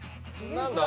何だ？